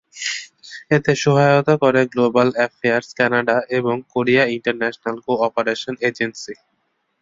এতে সহায়তা করে গ্লোবাল অ্যাফেয়ার্স কানাডা এবং কোরিয়া ইন্টারন্যাশনাল কো-অপারেশন এজেন্সি।